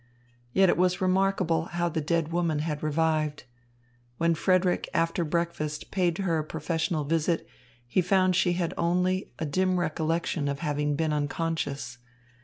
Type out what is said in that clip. Yet it was remarkable how the dead woman had revived. When Frederick after breakfast paid her a professional visit, he found she had only a dim recollection of having been unconscious.